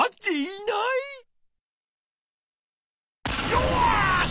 よし！